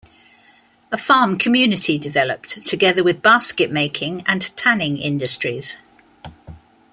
A farm community developed, together with basket making and tanning industries.